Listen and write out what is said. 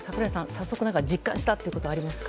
早速実感したことありますか。